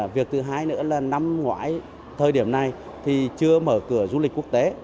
việc thứ hai nữa là năm ngoái thời điểm này thì chưa mở cửa du lịch quốc tế